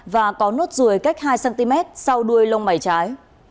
và có nốt ruồi cách hai cm sau đuôi lông mày trái